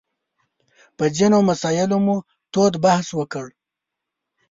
په ځینو مسایلو مو تود بحث وکړ.